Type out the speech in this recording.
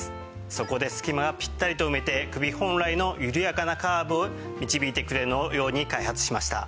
そこですき間をピッタリと埋めて首本来の緩やかなカーブを導いてくれるように開発しました。